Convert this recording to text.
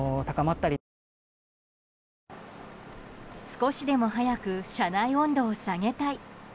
少しでも早く車内温度を下げたい。